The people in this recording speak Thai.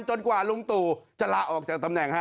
กว่าลุงตู่จะลาออกจากตำแหน่งฮะ